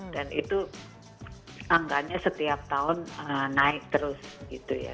dan itu anggarnya setiap tahun naik terus gitu ya